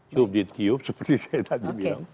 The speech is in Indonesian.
kiup dikiup seperti saya tadi bilang